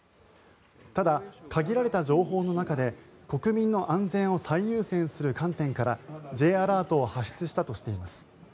ただ、限られた情報の中で国民の安全を最優先する観点からＪアラートを発出したとしています。